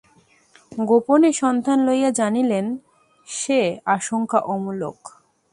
গোপনে সন্ধান লইয়া জানিলেন, সে আশঙ্কা অমূলক।